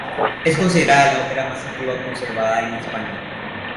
Es considerada la ópera más antigua conservada en España.